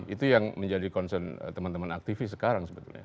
itu yang menjadi concern teman teman aktivis sekarang sebetulnya